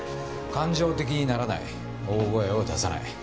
感情的にならない大声を出さない